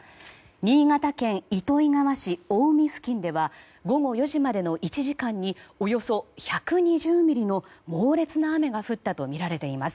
新潟県糸魚川市青海付近では午後４時までの１時間におよそ１２０ミリの猛烈な雨が降ったとみられています。